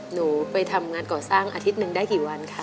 หนูไปทำงานก่อสร้างอาทิตย์หนึ่งได้กี่วันค่ะ